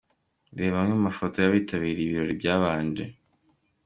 Reba amwe mu mafoto y’abitabiriye ibirori byabanje .